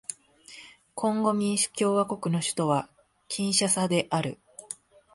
コンゴ民主共和国の首都はキンシャサである